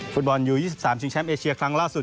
ฟุตบอลยู๒๓ชิงแชมป์เอเชียครั้งล่าสุด